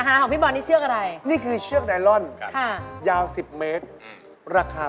ของน้านเชือกอะไรเชือกฟ้า